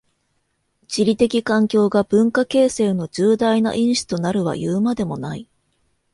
地理的環境が文化形成の重大な因子となるはいうまでもない。